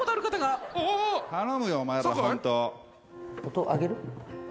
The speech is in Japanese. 音上げる？